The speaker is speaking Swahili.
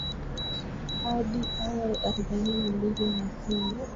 hadi aya ya arobaini na mbili inasema